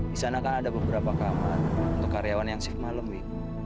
di sana kan ada beberapa kamar untuk karyawan yang shift malam nih